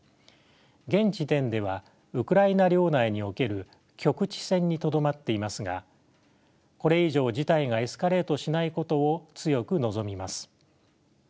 現時点ではウクライナ領内における局地戦にとどまっていますがこれ以上事態がエスカレートしないことを強く望みます。